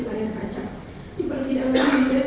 bayang kaca di persidangan di jari